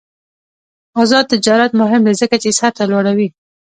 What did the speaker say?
آزاد تجارت مهم دی ځکه چې سطح لوړوي.